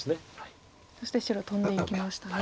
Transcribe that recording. そして白トンでいきましたね。